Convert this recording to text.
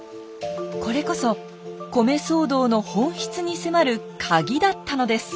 これこそ米騒動の本質に迫るカギだったのです。